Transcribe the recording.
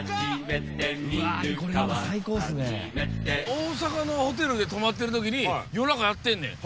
大阪のホテルで泊まってるときに夜中やってんねん。